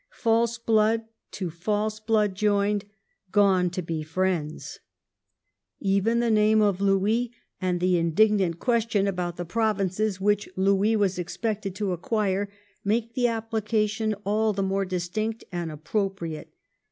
False blood to false blood joined 1 Gone to be friends 1 Even the name of Louis and the indignant ques tion about the provinces which Louis was expected to acquire make the apphcation all the more distinct and appropriate.